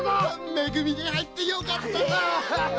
め組に入ってよかった！